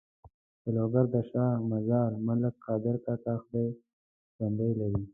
د لوګر د شا مزار ملک قادر کاکا خدای ژوندی لري.